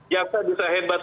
jaksa bisa hebat